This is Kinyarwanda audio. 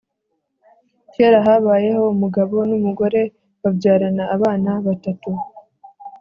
Kera habayeho umugabo n’umugore babyarana abana batatu